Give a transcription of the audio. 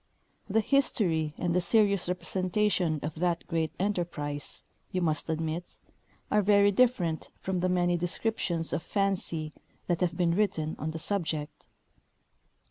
The history and the serious representation of that great enterprise, you must admit, are very different from the many descriptions of fancy that have been written on the subject.